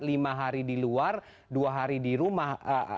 lima hari di luar dua hari di rumah